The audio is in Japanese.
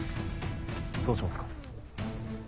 どうしますか？